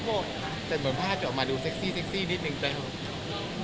เสร็จผ่านภาพจะออกมาดูเซ็กซี่นิดนึงได้หรือ๗๕